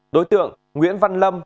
đối tượng nguyễn văn lâm